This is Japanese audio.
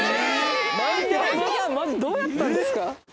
マジどうやったんですか？